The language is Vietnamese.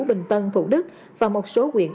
bình tân thủ đức và một số quyện